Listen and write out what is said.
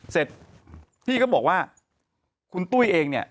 เสร็จพี่ก็บอกว่าคุณตุ้ยเองเนี่ย